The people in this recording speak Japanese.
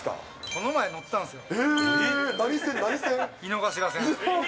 この前乗ったんですよ。